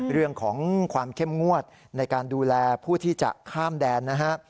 เรื่องของความเข้มงวดในการดูแลผู้ที่จะข้ามแดนนะฮะ